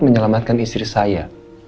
menyelamatkan istri saya